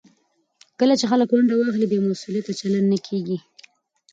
کله چې خلک ونډه واخلي، بې مسوولیته چلند نه کېږي.